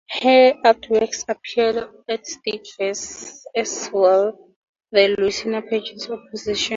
Her artworks appeared at state fairs as well and the Louisiana Purchase Exposition.